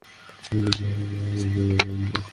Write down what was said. একটা পুরুষ ময়ূর আর দুইটি মহিলা ময়ূর ছিল।